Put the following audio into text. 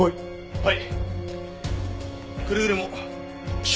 はい。